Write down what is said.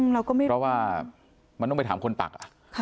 เพราะว่ามันต้องไปถามคนปัก